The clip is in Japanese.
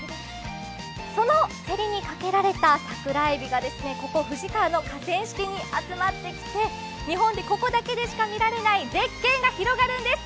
その競りにかけられたさくらえびがここ、富士川の河川敷に集まってきて、日本でここだけでしか見られない絶景が広がるんです。